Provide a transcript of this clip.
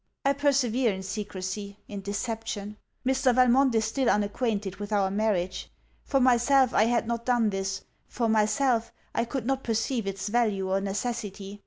I persevere in secresy, in deception! Mr. Valmont is still unacquainted with our marriage. For myself, I had not done this for myself, I could not perceive its value or necessity.